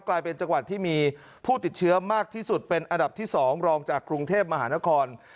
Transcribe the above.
กลายเป็นจังหวัดที่มีผู้ติดเชื้อมากที่สุดเป็นอันดับที่๒รองจากกรุงเทพมหานคร